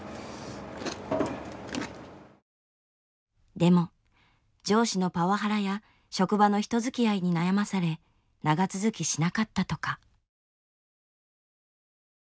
でも上司のパワハラや職場の人づきあいに悩まされ長続きしなかったとか。